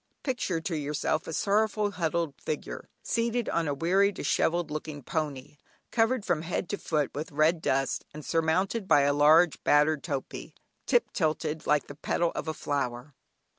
Picture to yourself a sorrowful, huddled figure, seated on a weary dishevelled looking pony, covered from head to foot with red dust, and surmounted by a large battered topee "tip tilted like the petal of a flower."